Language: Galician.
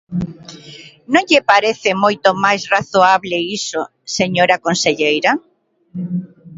¿Non lle parece moito máis razoable iso, señora conselleira?